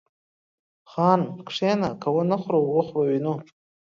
خان! کښينه که ونه خورو و خو به وينو.